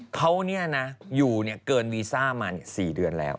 เค้านี่นะอยู่เนี่ยเกินวีซ่ามาสี่เดือนแล้ว